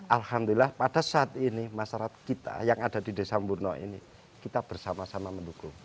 alhamdulillah pada saat ini masyarakat kita yang ada di desa murno ini kita bersama sama mendukung